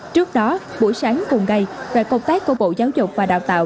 trước đó buổi sáng cùng ngày đoàn công tác của bộ giáo dục và đào tạo